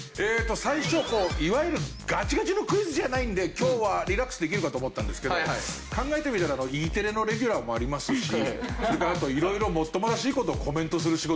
最初いわゆるガチガチのクイズじゃないんで今日はリラックスできるかと思ったんですけど考えてみたらＥテレのレギュラーもありますしそれからあと。